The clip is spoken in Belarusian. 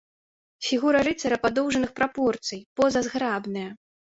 Фігура рыцара падоўжаных прапорцый, поза зграбная.